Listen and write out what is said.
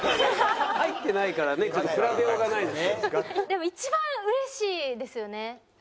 でも一番うれしいですよね